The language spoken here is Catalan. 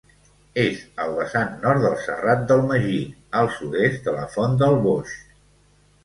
És al vessant nord del Serrat del Magí, al sud-est de la Font del Boix.